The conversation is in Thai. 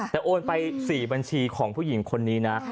แต่โอนไป๔บัญชีของผู้หญิงคนนี้นะ